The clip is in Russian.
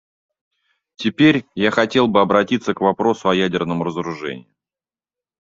Теперь я хотел бы обратить к вопросу о ядерном разоружении.